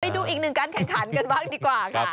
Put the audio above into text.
ดูอีกหนึ่งการแข่งขันกันบ้างดีกว่าค่ะ